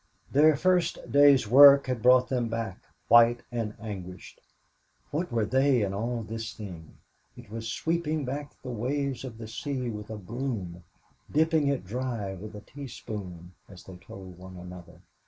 Their first day's work had brought them back, white and anguished. What were they in all this thing? It was sweeping back the waves of the sea with a broom, dipping it dry with a teaspoon, as they told one another.